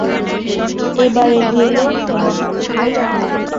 এবারে গেলে কেন।